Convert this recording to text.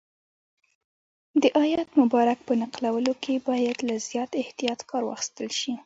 د آیت مبارک په نقلولو کې باید له زیات احتیاط کار واخیستل شي.